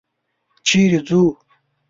چېرې ځو؟